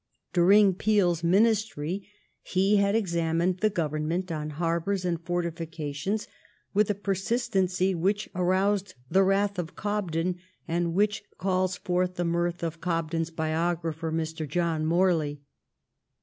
During Peel's ministry he had examined the Government on harbours and fortifioations with a per sistency which aroused the wrath of Cobden, and which calls forth the mirth of Cobden's biographer, Mr. John Morley.